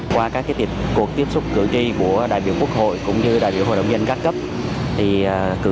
qua các cuộc tiếp xúc cử tri của đại biểu quốc hội cũng như đại biểu hội đồng doanh các cấp thì cử